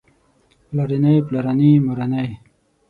پلارنی پلارني مورنۍ